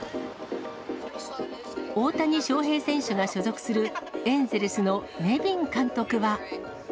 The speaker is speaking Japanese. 大谷翔平選手が所属するエンゼルスのネビン監督は。